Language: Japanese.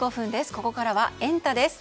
ここからはエンタ！です。